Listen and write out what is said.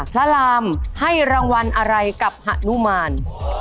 พระรามให้รางวัลอะไรกับหะนุมาน